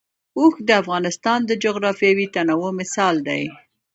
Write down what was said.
اوښ د افغانستان د جغرافیوي تنوع مثال دی.